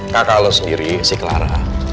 kakak lu sendiri si clara